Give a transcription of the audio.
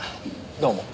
どうも。